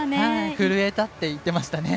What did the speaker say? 震えたと言っていましたね。